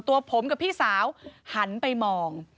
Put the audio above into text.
ตัวผมกับพี่สาวหันไปมอง